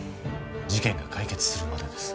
事件が解決するまでです